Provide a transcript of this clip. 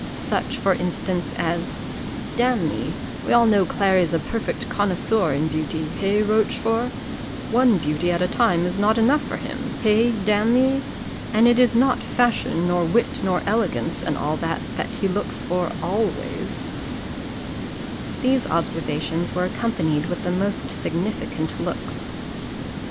Such for instance as "Damme, we all know Clary's a perfect connoisseur in beauty hey, Rochfort? one beauty at a time is not enough for him hey, damme? And it is not fashion, nor wit, nor elegance, and all that, that he looks for always." These observations were accompanied with the most significant looks.